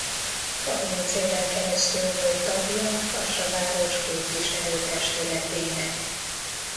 Harminc éven keresztül volt tagja Kassa város képviselőtestületének.